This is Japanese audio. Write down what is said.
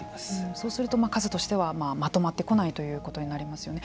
そうすると、数としてはまとまってこないということになりますよね。